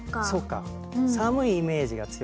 寒いイメージが強い。